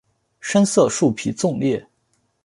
深色树皮纵裂。